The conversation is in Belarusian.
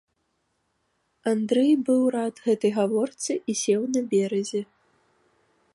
Андрэй быў рад гэтай гаворцы і сеў на беразе.